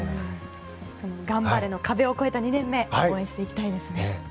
がんばれの壁を超えた２年目応援していきたいですね。